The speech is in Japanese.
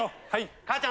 母ちゃん。